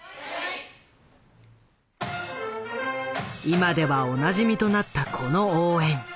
今ではおなじみとなったこの応援。